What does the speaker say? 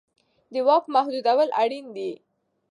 د واک محدودول اړین دي